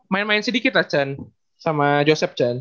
main main sedikit lah chen sama joseph chen